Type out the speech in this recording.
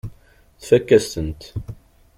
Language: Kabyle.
Tfakk-asen-tent.